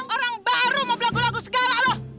orang baru mau belagu lagu segala lho